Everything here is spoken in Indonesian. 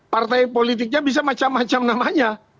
partai politiknya bisa macam macam namanya